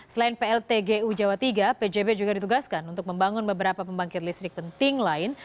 selain pltgu jawa iii pjb juga ditugaskan untuk membangun beberapa pembangkit listrik penting lain